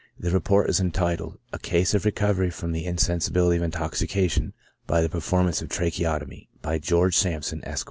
^ The report is entitled, "A Case of Recovery from the Insensibility of Intoxication bv the Performance of Tracheotomy ; by George Samp son, Esq."